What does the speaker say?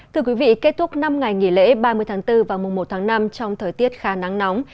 thưa quý vị kết thúc năm ngày nghỉ lễ ba mươi tháng bốn và mùa một tháng năm trong thời tiết khá nắng nóng